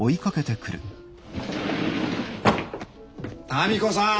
民子さん。